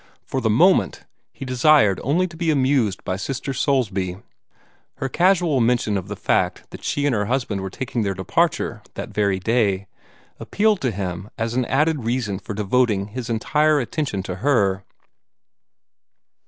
For the moment, he desired only to be amused by Sister Soulsby. Her casual mention of the fact that she and her husband were taking their departure that very day, appealed to him as an added reason for devoting his entire attention to her.